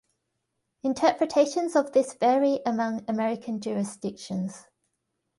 Interpretations of this vary among American jurisdictions.